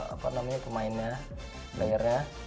apa namanya ke mainnya daerah